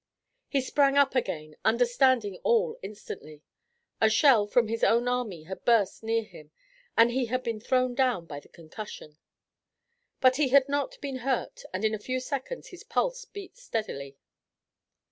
He sprang up again, understanding all instantly. A shell from his own army had burst near him, and he had been thrown down by the concussion. But he had not been hurt, and in a few seconds his pulse beat steadily.